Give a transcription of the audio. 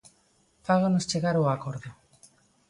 Fáganos chegar o acordo.